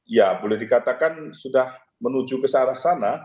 ya boleh dikatakan sudah menuju ke sarah sana